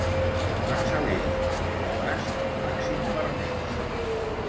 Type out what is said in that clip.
No acceleris, que ja vas al màxim permès.